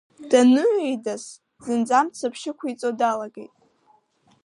Даныҩеидас, зынӡа амцаԥшь ықәиҵо далагеит.